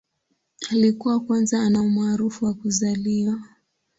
Alikuwa kwanza ana umaarufu wa kuzaliwa.